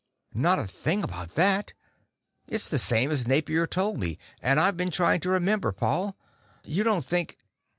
"Not a thing about that. It's the same as Napier told me, and I've been trying to remember. Paul, you don't think